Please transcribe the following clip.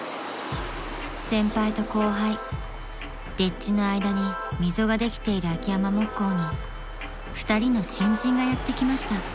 ［先輩と後輩丁稚の間に溝ができている秋山木工に２人の新人がやって来ました］